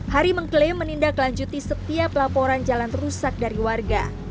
hari mengklaim menindaklanjuti setiap laporan jalan rusak dari warga